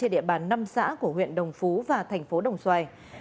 trên địa bàn năm xã của huyện đồng phú và thành phố đồng xoài